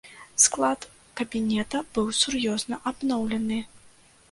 Склад кабінета быў сур'ёзна абноўлены.